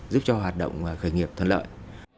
giúp cho hoạt động khởi nghiệp thuận lợi